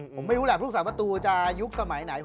ผมไม่รู้แหละลูกสาวประตูจะยุคสมัยไหน